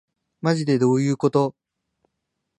まじでどういうこと